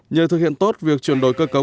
nhờ thực hiện tốt việc chuyển đổi cơ cấu